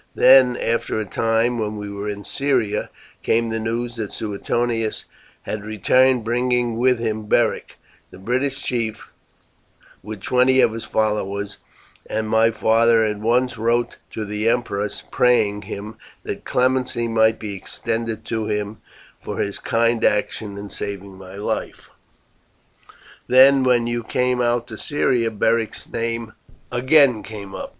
"Then, after a time, when we were in Syria, came the news that Suetonius had returned, bringing with him Beric, the British chief, with twenty of his followers, and my father at once wrote to the emperor praying him that clemency might be extended to him for his kind action in saving my life. Then when you came out to Syria Beric's name again came up.